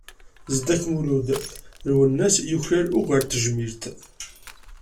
Zeddak Mulud: "Lwennas yuklal ugar n tejmilt".